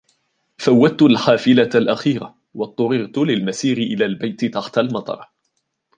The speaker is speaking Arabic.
فوَّتُّ الحافلة الأخيرة ، و اضطررت للمسير إلى البيت تحت المطر.